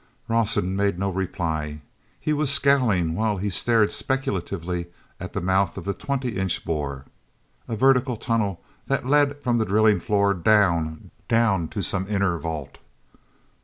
awson made no reply. He was scowling while he stared speculatively at the mouth of the twenty inch bore—a vertical tunnel that led from the drilling floor down, down to some inner vault.